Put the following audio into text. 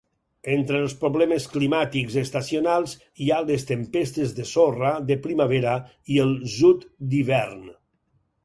Entre els problemes climàtics estacionals hi ha les tempestes de sorra de primavera i el zud d'hivern.